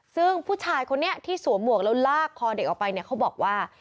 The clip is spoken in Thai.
ซึ่งผู้ชายคนนี้ที่สวมหมวกแล้วลากคอเด็กออกไปเนี่ยเขาบอกว่า